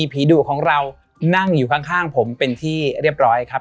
ผีดุของเรานั่งอยู่ข้างผมเป็นที่เรียบร้อยครับ